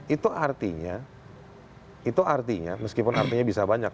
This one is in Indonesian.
itu artinya itu artinya meskipun artinya bisa banyak